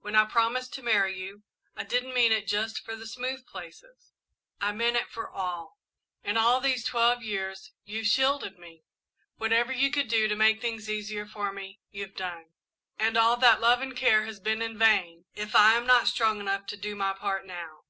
When I promised to marry you, I didn't mean it just for the smooth places, I meant it for all. In all these twelve years you've shielded me whatever you could do to make things easier for me, you've done, and all that love and care has been in vain if I am not strong enough to do my part now.